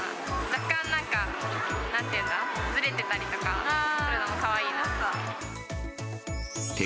若干なんか、なんて言うんだろう、ずれてたりとかするのもかわいいなって。